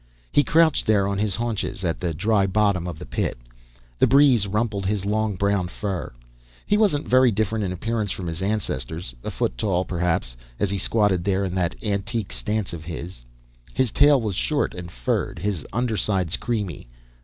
He crouched there on his haunches, at the dry bottom of the Pit. The breeze rumpled his long, brown fur. He wasn't very different in appearance from his ancestors. A foot tall, perhaps, as he squatted there in that antique stance of his kind. His tail was short and furred, his undersides creamy.